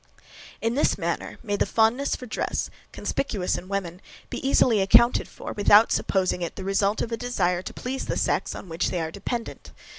In this manner may the fondness for dress, conspicuous in women, be easily accounted for, without supposing it the result of a desire to please the sex on which they are dependent.